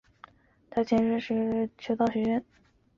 它的前身是修道院学校。